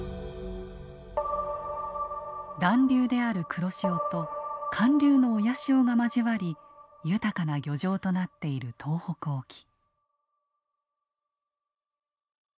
暖流である黒潮と寒流の親潮が交わり豊かな漁場となっている東北沖。